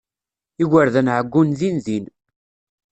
Igerdan ɛeyyun dindin.